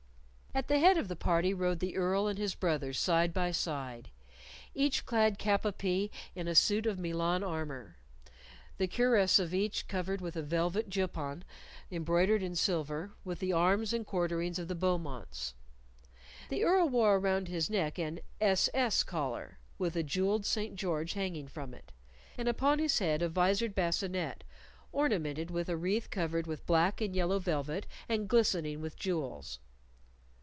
At the head of the party rode the Earl and his brother side by side, each clad cap a pie in a suit of Milan armor, the cuirass of each covered with a velvet juppon embroidered in silver with the arms and quarterings of the Beaumonts. The Earl wore around his neck an "S S" collar, with a jewelled St. George hanging from it, and upon his head a vizored bascinet, ornamented with a wreath covered with black and yellow velvet and glistening with jewels.